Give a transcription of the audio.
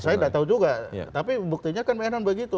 saya tidak tahu juga tapi buktinya kan mainan begitu